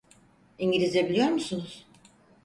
İngilizce biliyor musunuz?